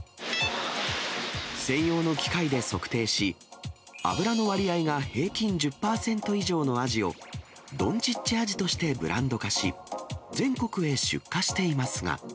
専用の機械で測定し、脂の割合が平均１０％以上のアジを、どんちっちアジとしてブランド化し、全国へ出荷していますが。